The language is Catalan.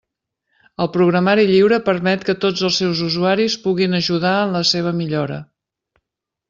El programari lliure permet que tots els seus usuaris puguin ajudar en la seva millora.